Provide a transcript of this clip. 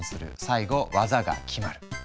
最後技が決まる。